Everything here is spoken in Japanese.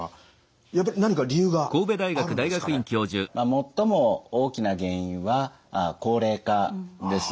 最も大きな原因は高齢化です。